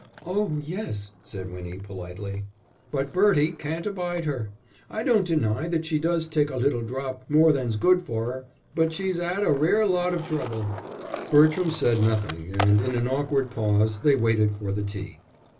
"Oh, yes," said Winnie, politely. "But Bertie can't abide 'er. I don't deny that she does take a little drop more than's good for 'er; but she's 'ad a rare lot of trouble." Bertram said nothing, and in an awkward pause they waited for the tea.